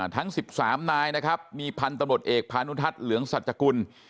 ทั้ง๑๓นายนะครับมีพันธุ์ตำรวจเอกพานุทัศน์เหลืองสัจกุล